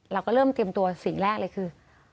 เราก็เริ่มเตรียมตัวสิ่งแรกเลยคือ